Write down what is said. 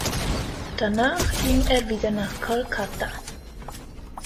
Danach ging er wieder nach Kolkata.